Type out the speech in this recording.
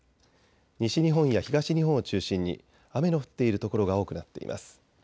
西日本や東日本を中心に雨の降っている所が多くなっています。